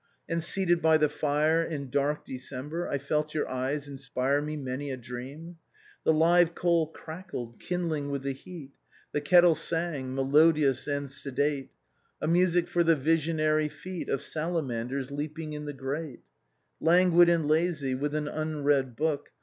And, seated by the fire, in dark December, I felt your eyes inspire me many a dream. " The live coal crackled, kindling with the heat, The kettle sang, melodious and sedate, A music for the visionary feet Of salamanders leaping in the grate :" Languid and lazy, with an unread book.